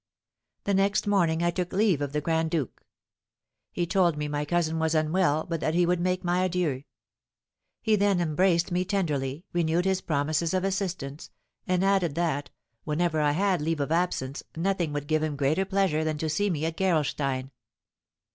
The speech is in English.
The next morning I took leave of the grand duke. He told me my cousin was unwell, but that he would make my adieux; he then embraced me tenderly, renewed his promises of assistance, and added that, whenever I had leave of absence, nothing would give him greater pleasure than to see me at Gerolstein.